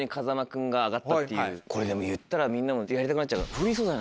これでも言ったらみんなもやりたくなっちゃうか。